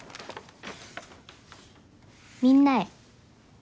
みんなへ。